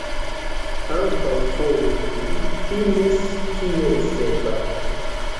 Ambaŭ fojojn li finis kiel sepa.